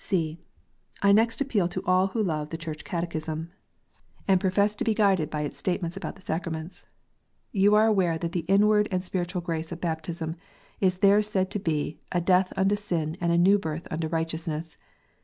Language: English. (c) I appeal next to all who love the Church Catechism, and PRAYER BOOK STATEMENTS: REGENERATION. 157 profess to be guided by its statements about the sacraments. You are aware that the inward and spiritual grace of baptism is there said to be "a death unto sin and a new birth into right eousness."